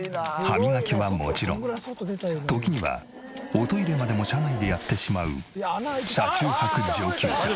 歯磨きはもちろん時にはおトイレまでも車内でやってしまう車中泊上級者。